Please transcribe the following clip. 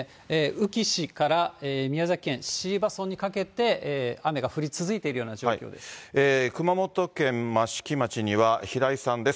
宇城市から宮崎県椎葉村にかけて、雨が降り続いているような状況で熊本県益城町には、平井さんです。